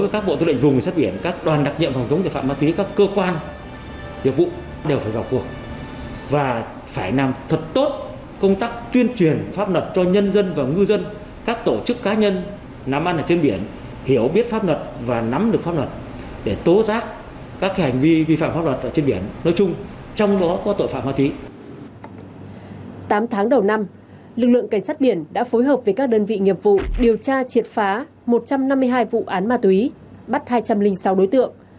cảnh sát biển đã phối hợp với các đơn vị nghiệp vụ điều tra triệt phá một trăm năm mươi hai vụ án ma túy bắt hai trăm linh sáu đối tượng